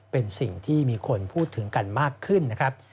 เป็นสิ่งที่มีคนพูดถึงกันมากขึ้นนะครับ